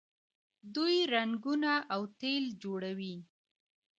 دوی رنګونه او تیل جوړوي.